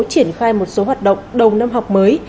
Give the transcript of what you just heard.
triển khai một số hoạt động đầu năm học mới